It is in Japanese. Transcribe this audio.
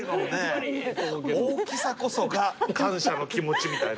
大きさこそが感謝の気持ちみたいな。